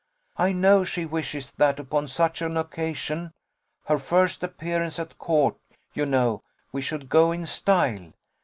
I know she wishes that upon such an occasion her first appearance at court, you know we should go in style.